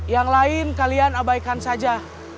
yang lain kalian abaikan saja